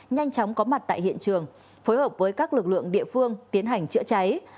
nhanh chóng có mặt tại hiện trường phối hợp với các lực lượng địa phương tiến hành chữa cháy